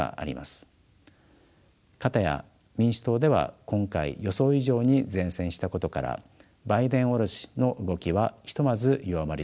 片や民主党では今回予想以上に善戦したことからバイデン降ろしの動きはひとまず弱まりそうです。